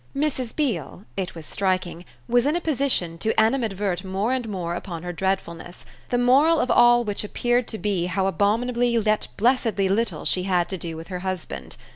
Mrs. Beale it was striking was in a position to animadvert more and more upon her dreadfulness, the moral of all which appeared to be how abominably yet blessedly little she had to do with her husband.